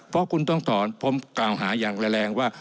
เพราะคุณต้องถอนผมกล่าวหาอย่างแรงว่า